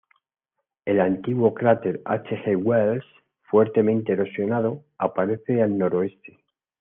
El antiguo cráter H. G. Wells, fuertemente erosionado, aparece al noroeste.